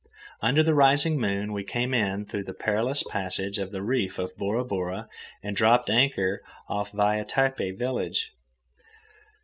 Under the rising moon we came in through the perilous passage of the reef of Bora Bora and dropped anchor off Vaitapé village.